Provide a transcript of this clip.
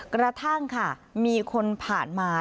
กระทั่งค่ะมีคนผ่านมา